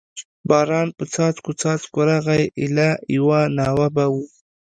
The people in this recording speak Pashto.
باران په څاڅکو څاڅکو راغی، ایله یوه ناوه به و.